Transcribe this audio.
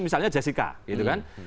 misalnya jessica gitu kan